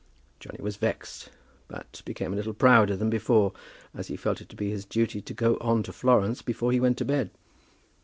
Johnny was vexed, but became a little prouder than before as he felt it to be his duty to go on to Florence before he went to bed.